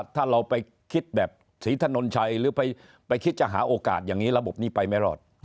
ถ้าเราไปคิดแบบศรีถนนชัยหรือไปคิดจะหาโอกาสอย่างนี้ระบบนี้ไปไม่รอด